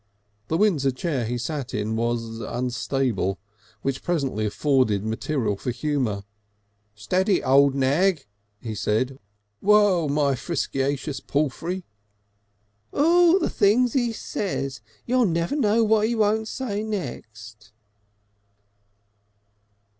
The Windsor chair he sat in was unstable which presently afforded material for humour. "Steady, old nag," he said; "whoa, my friskiacious palfry!" "The things he says! You never know what he won't say next!"